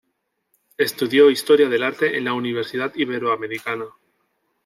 Estudió historia del arte en la Universidad Iberoamericana.